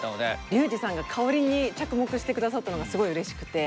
リュウジさんが香りに着目してくださったのがすごいうれしくて。